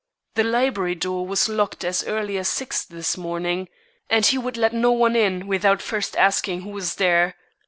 The library door was locked as early as six this morning, and he would let no one in without first asking who was there.